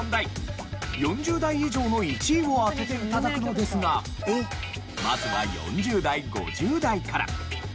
４０代以上の１位を当てて頂くのですがまずは４０代５０代から。